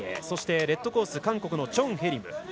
そしてレッドコースは韓国のチョン・ヘリム。